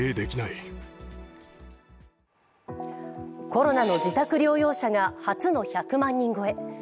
コロナの自宅療養者が初の１００万人超え。